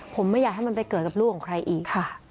ผมไม่อยากให้มันไปเกิดกับลูกของใครอีกค่ะ